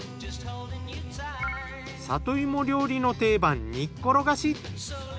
里芋料理の定番煮っころがし。